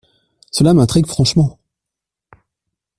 Cela m’intrigue franchement !